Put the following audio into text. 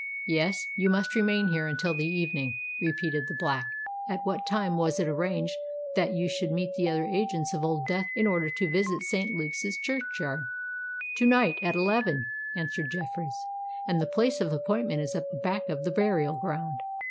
"Yes—you must remain here until the evening," repeated the Black. "At what time was it arranged that you should meet the other agents of Old Death in order to visit St. Luke's churchyard?" "To night at eleven," answered Jeffreys; "and the place of appointment is at the back of the burial ground.